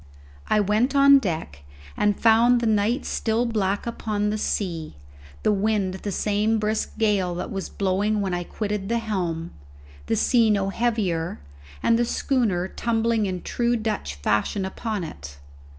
I went on deck and found the night still black upon the sea, the wind the same brisk gale that was blowing when I quitted the helm, the sea no heavier, and the schooner tumbling in true Dutch fashion upon it.